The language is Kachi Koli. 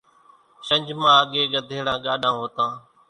شنجھ مان اڳيَ ڳڌيڙا ڳاڏان هوتان۔